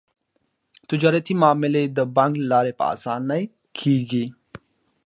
تجارتي معاملې د بانک له لارې په اسانۍ کیږي.